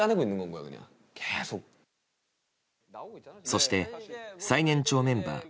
そして、最年長メンバー